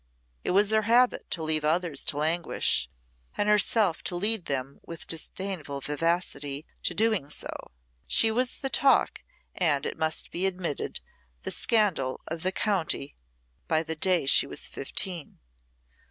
It was her habit to leave others to languish, and herself to lead them with disdainful vivacity to doing so. She was the talk, and, it must be admitted, the scandal, of the county by the day she was fifteen.